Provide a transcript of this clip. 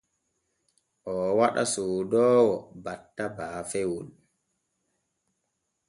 Oo waɗa soodoowo batta baafewol.